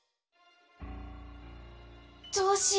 どうしよう？